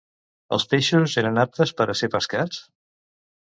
Els peixos eren aptes per a ser pescats?